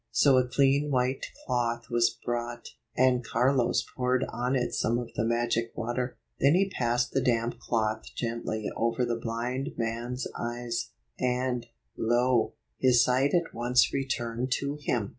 So a clean white cloth was brought, and Carlos poured on it some of the magic water. Then he passed the damp cloth gently over the blind man's eyes, and — lo, his sight at once returned to him!